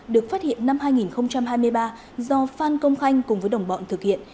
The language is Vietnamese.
được phát hiện năm hai nghìn hai mươi ba do phan công khanh cùng với đồng bọn thực hiện